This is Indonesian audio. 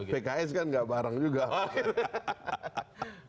pks kan gak bareng juga